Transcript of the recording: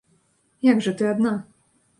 Як жа ты адна?